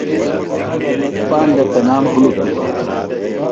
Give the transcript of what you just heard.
پاندہ تنام ہُلک دِتوۡ۔